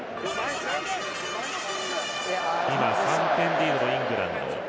３点リードのイングランド。